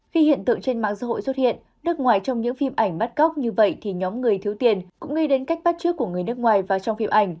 khi hiện tượng trên mạng xã hội xuất hiện nước ngoài trong những phim ảnh bắt cóc như vậy thì nhóm người thiếu tiền cũng nghĩ đến cách bắt trước của người nước ngoài vào trong phim ảnh